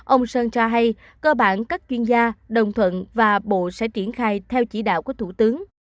ông sơn cho hay cơ bản các chuyên gia đồng thuận và bộ sẽ triển khai theo chỉ đạo của thủ tướng